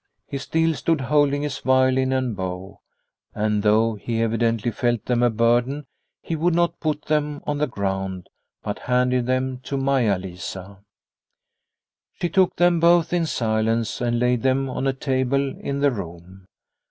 He still stood holding his violin and bow, and though he evidently felt them a burden he would not put them on the ground but handed them to Maia Lisa. She took them both in silence, and laid them on a table in the room.